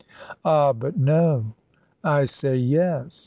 "Ah, but no." "I say, yes."